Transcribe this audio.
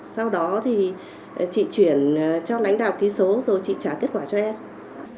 sau đó thì chị chuyển cho lãnh đạo ký số rồi chị trả kết quả cho em